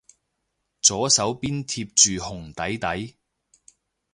左手邊貼住紅底底